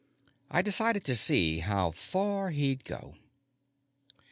I decided to see how far he'd go.